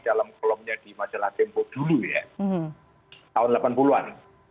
dalam kolomnya di majalah tempo dulu ya tahun delapan puluh an